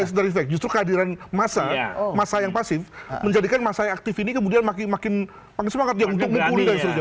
ini yang baik baik justru kehadiran massa massa yang pasif menjadikan massa yang aktif ini kemudian makin semangat ya untuk mukuli dan sebagainya